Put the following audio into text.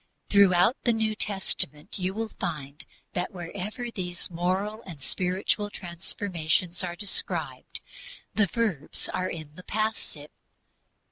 Throughout the New Testament you will find that wherever these moral and spiritual transformations are described the verbs are in the passive.